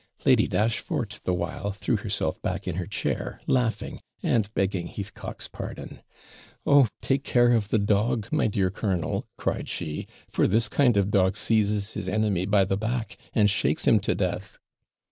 Lady Dashfort, the while, threw herself back in her chair, laughing, and begging Heathcock's pardon. 'Oh, take care of the dog, my dear colonel!' cried she; 'for this kind of dog seizes his enemy by the back, and shakes him to death.'